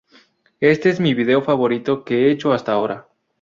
Este es mi video favorito que he hecho hasta ahora.